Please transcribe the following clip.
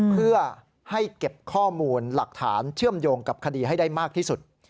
เพื่อให้เก็บข้อมูลหลักฐานเชื่อมโยงกับคดีให้ได้มากที่สุด